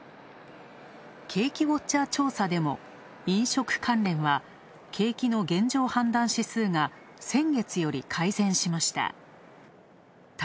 景気ウォッチャー調査でも、飲食関連は景気の現状判断指数が先月より改善しました。